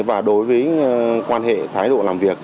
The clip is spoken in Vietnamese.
và đối với quan hệ thái độ làm việc